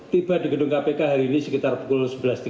tiba di gedung kpk hari ini sekitar pukul sebelas tiga puluh